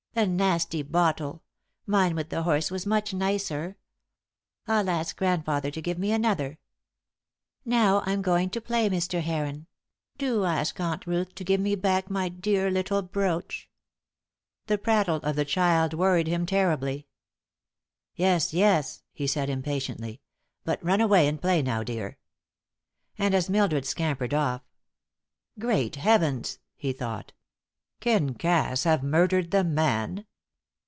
"A nasty bottle! Mine with the horse was much nicer. I'll ask grandfather to give me another. Now I'm going to play, Mr. Heron, do ask Aunt Ruth to give me back my dear little brooch." The prattle of the child worried him terribly. "Yes, yes," he said, impatiently; "but run away and play now, dear." And as Mildred scampered off "Great Heavens!" he thought. "Can Cass have murdered the man?